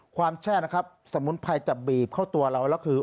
แช่นะครับสมุนไพรจะบีบเข้าตัวเราแล้วคือ